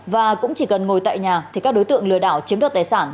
và cũng chỉ cần ngồi tại nhà thì các đối tượng lừa đảo chiếm đoạt tài sản